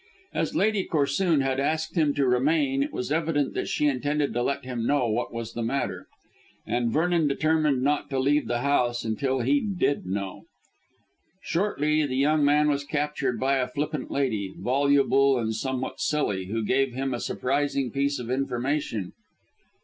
As Lady Corsoon had asked him to remain it was evident that she intended to let him know what was the matter. And Vernon determined not to leave the house until he did know. Shortly the young man was captured by a flippant lady, voluble and somewhat silly, who gave him a surprising piece of information.